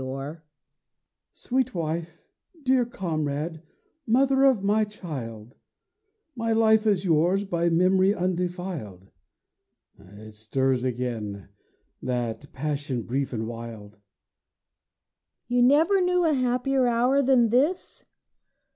HUSBAND Sweet wife, dear comrade, mother of my child, My life is yours by memory undefiled. (It stirs again, that passion brief and wild.) WIFE You never knew a happier hour than this?